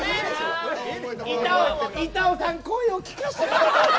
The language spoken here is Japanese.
板尾さん声を聞かせてください。